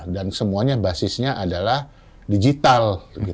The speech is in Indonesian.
dan semuanya basisnya adalah digital